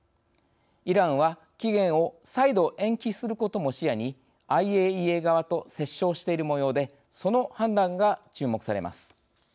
イランは期限を再度延期することも視野にＩＡＥＡ側と折衝しているもようでその判断が注目されます。